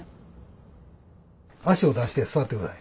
足を出して座って下さい。